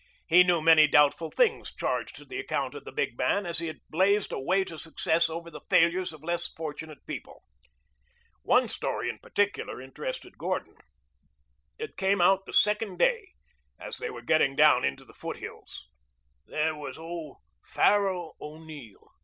He knew many doubtful things charged to the account of the big man as he had blazed a way to success over the failures of less fortunate people. One story in particular interested Gordon. It came out the second day, as they were getting down into the foothills. "There was Farrell O'Neill.